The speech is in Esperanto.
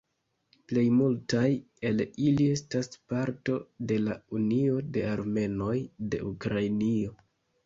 Plej multaj el ili estas parto de la "Unio de Armenoj de Ukrainio".